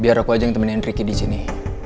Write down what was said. biar aku aja yang temenin riki di sini